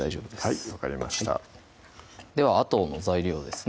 はい分かりましたではあとの材料ですね